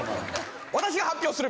私が発表する。